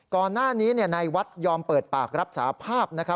ก่อนหน้านี้นายวัดยอมเปิดปากรับสาภาพ